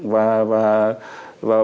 và ban hành công nghiệp